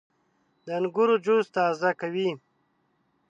• د انګورو جوس تازه کوي.